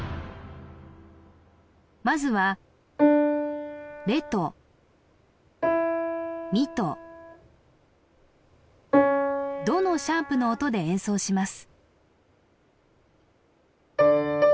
まずはレとミとドの♯の音で演奏します